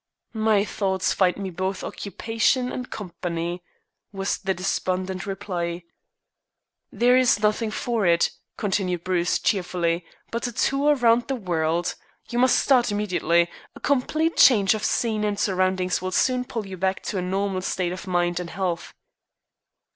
"My thoughts find me both occupation and company," was the despondent reply. "There is nothing for it," continued Bruce cheerfully, "but a tour round the world. You must start immediately. A complete change of scene and surroundings will soon pull you back to a normal state of mind and health."